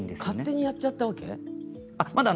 勝手にやっちゃったの？